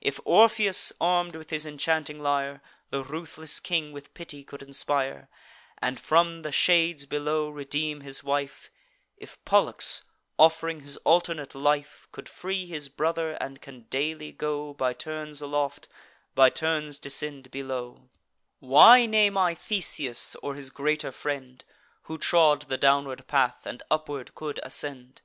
If Orpheus, arm'd with his enchanting lyre, The ruthless king with pity could inspire, And from the shades below redeem his wife; If Pollux, off'ring his alternate life, Could free his brother, and can daily go By turns aloft, by turns descend below: Why name I Theseus, or his greater friend, Who trod the downward path, and upward could ascend?